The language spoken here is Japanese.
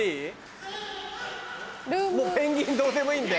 もうペンギンどうでもいいんで。